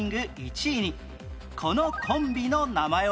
このコンビの名前は？